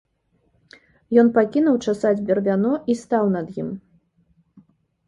Ён пакінуў часаць бервяно і стаў над ім.